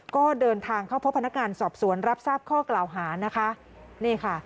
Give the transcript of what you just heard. ก็เดินทางเข้าพบพนักงานสอบสวนรับทราบข้อกล่าวหานะคะนี่ค่ะ